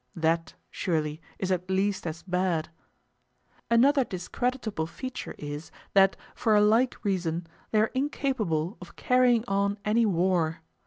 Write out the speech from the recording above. That, surely, is at least as bad. Another discreditable feature is, that, for a like reason, they are incapable of carrying on any war.